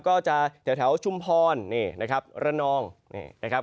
ก็จะแถวชุมพรนเนี่ยนะครับ